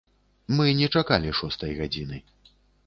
Мы не чакалі шостай гадзіны.